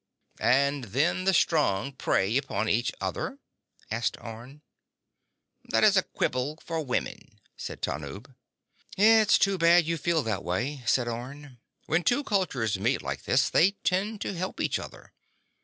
"And then the strong prey upon each other?" asked Orne. "That is a quibble for women," said Tanub. "It's too bad you feel that way," said Orne. "When two cultures meet like this they tend to help each other.